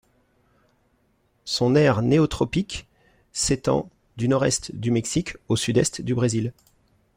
Son aire néotropique s'étend du nord-est du Mexique au sud-est du Brésil.